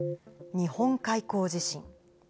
日本海溝地震。